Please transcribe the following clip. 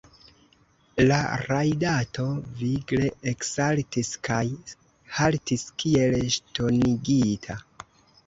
La rajdato vigle eksaltis kaj haltis kiel ŝtonigita.